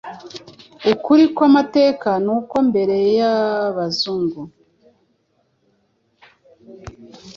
Ukuri kw'amateka ni uko mbere y'Abazungu